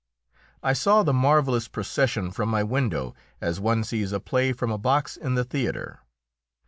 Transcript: I saw the marvellous procession from my window as one sees a play from a box in the theatre.